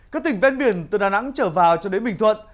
các tỉnh ven biển từ đà nẵng trở vào cho đến bình thuận